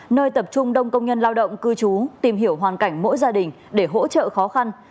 nơi tập trung đông công nhân lao động cư trú tìm hiểu hoàn cảnh mỗi gia đình để hỗ trợ khó khăn